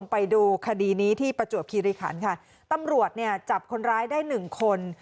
ไปดูคดีนี้ที่ประจวบคิริขันค่ะตำรวจเนี่ยจับคนร้ายได้หนึ่งคน